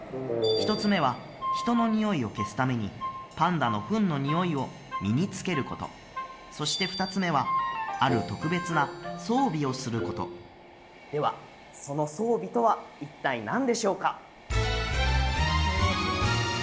１つ目は人のにおいを消すためにパンダのフンのにおいを身につけることそして２つ目はある特別な装備をすることではその装備とは一体何でしょうか？